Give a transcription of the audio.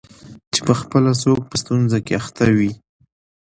چي پخپله څوک په ستونزه کي اخته وي